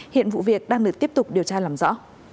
hiện vụ việc đang được tiếp tục điều tra làm rõ